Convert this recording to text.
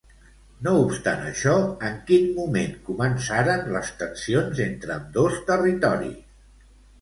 No obstant això, en quin moment començaren les tensions entre ambdós territoris?